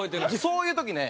そういう時ね